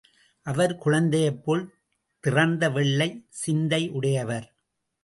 அவர் குழந்தையைப் போல் திறந்த வெள்ளைச் சிந்தையுடையவர்.